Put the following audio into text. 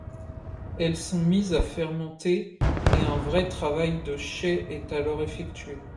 Elles sont mises à fermenter et un vrai travail de chai est alors effectué.